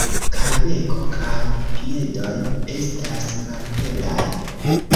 Kaj beko kaj piedoj estas malhelaj.